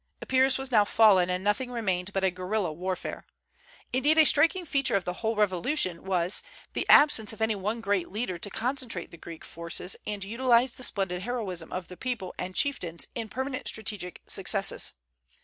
Epirus was now fallen, and nothing remained but a guerilla warfare. Indeed, a striking feature of the whole revolution was "the absence of any one great leader to concentrate the Greek forces and utilize the splendid heroism of people and chieftains in permanent strategic successes.